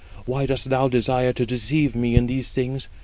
why dost thou desire to deceive me in these things?